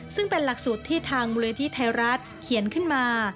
ซึ่งเป็นหลักสูตรที่ทางมูลนิธิไทยรัฐเขียนขึ้นมา